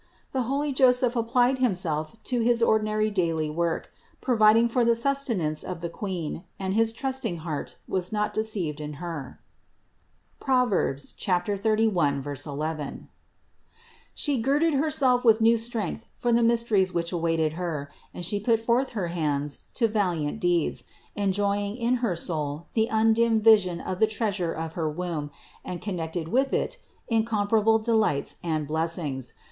The holy Joseph applied himself to his ordinary daily work, pro viding for the sustenance of the Queen ; and his trusting heart was not deceived in Her (Prov. 31, 11). She girded Herself with new strength for the mysteries which She awaited, and She put forth her hands to valiant deeds, enjoying in her soul the undimmed vision of the Treasure of her womb and, connected with it, 256 CITY OF GOD incomparable delights and blessings.